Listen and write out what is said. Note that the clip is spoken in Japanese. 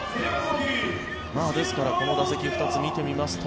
ですからこの打席２つ見てみますと